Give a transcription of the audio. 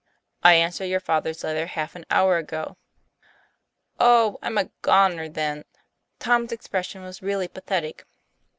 " I answered your father's letter half an hour ago." 'O! I'm a goner, then." Tom's expression was really pathetic.